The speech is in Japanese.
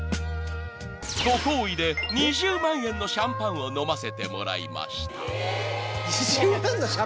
［ご厚意で２０万円のシャンパンを飲ませてもらいました］